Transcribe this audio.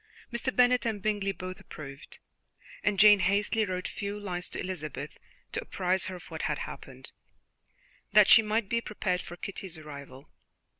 Mr. Bennet and Bingley both approved, and Jane hastily wrote a few lines to Elizabeth to apprise her of what had happened, that she might be prepared for Kitty's arrival.